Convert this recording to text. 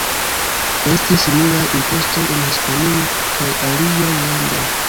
Estis similaj impostoj en Hispanio kaj aliaj landoj.